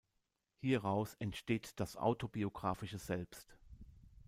Hieraus entsteht das "autobiografische Selbst".